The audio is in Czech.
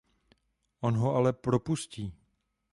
On ho ale propustí.